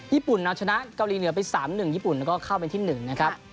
ญเอาชนะเกาหลีเหนือไป๓๑ญี่ปุ่นแล้วก็เข้าไปที่๑นะครับ